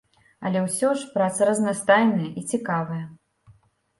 Але ўсё ж праца разнастайная і цікавая.